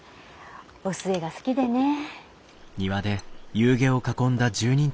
お寿恵が好きでねえ。